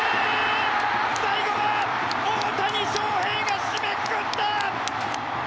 最後は大谷翔平が締めくくった！